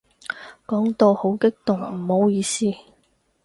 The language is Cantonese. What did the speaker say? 講到好激動，唔好意思